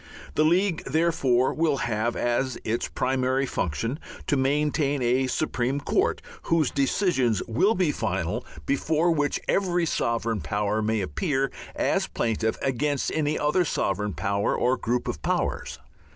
The League, therefore, will have as its primary function to maintain a Supreme Court, whose decisions will be final, before which every sovereign power may appear as plaintiff against any other sovereign power or group of powers.